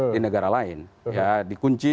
di negara lain ya dikunci